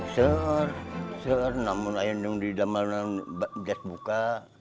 sejak zaman dulu saya bisa buka